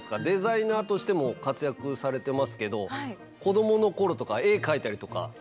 デザイナーとしても活躍されてますけど子どもの頃とか絵描いたりとか。